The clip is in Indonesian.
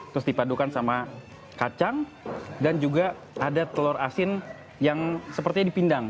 terus dipadukan sama kacang dan juga ada telur asin yang sepertinya dipindang